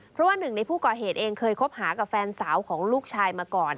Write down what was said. เพราะว่าหนึ่งในผู้ก่อเหตุเองเคยคบหากับแฟนสาวของลูกชายมาก่อน